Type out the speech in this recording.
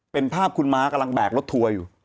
เป็นภาพคุณม้ากำลังแบกรถทัวร์อยู่